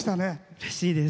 うれしいです。